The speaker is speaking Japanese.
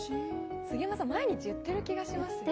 杉山さん、毎日言っている気がします。